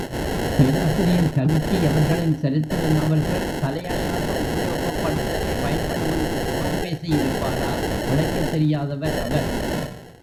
பேராசிரியர் கல்கி அவர்களின் சரித்திர நாவல்கள் தலையணையாக உபயோகப்படுத்தவே பயன்படும் என்று புறம் பேசியிருப்பாரா? பிழைக்கத் தெரியாதவர் அவர்!